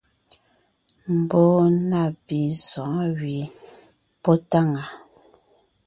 Mbɔɔ na pì sɔ̌ɔn gẅie pɔ́ táŋaa.